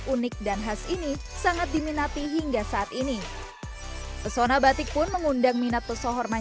unik dan khas ini sangat diminati hingga saat ini pesona batik pun mengundang minat pesohormat